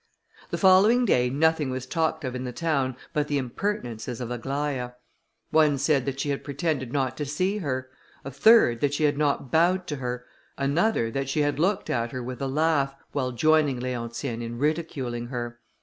The following day nothing was talked of in the town but the impertinences of Aglaïa. One said that she had pretended not to see her; a third, that she had not bowed to her; another, that she had looked at her with a laugh, while joining Leontine in ridiculing her.